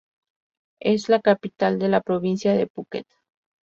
Es la capital de la Provincia de Phuket.